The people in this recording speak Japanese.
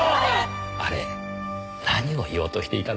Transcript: あれ何を言おうとしていたのでしょうねぇ？